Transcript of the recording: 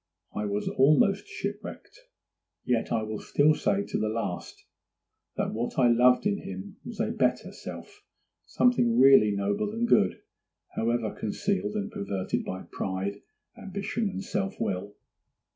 I was almost shipwrecked; yet I will still say to the last that what I loved in him was a better self—something really noble and good, however concealed and perverted by pride, ambition, and self will.